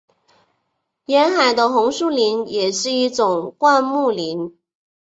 沿海的红树林也是一种灌木林。